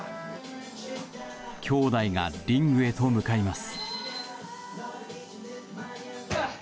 兄弟がリングへと向かいます。